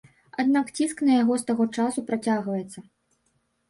Аднак ціск на яго з таго часу працягваецца.